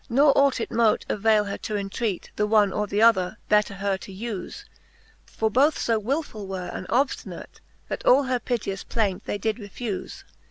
Ne ought it mote availe her to entreat The one or th' other, better her to ufe : For both fo wilfuU were and obftinate. That all her piteous plaint they did refufe.